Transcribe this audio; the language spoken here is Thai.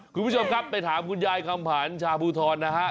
คุณผู้ชมครับไปถามคุณยายคำผันชาภูทรนะฮะ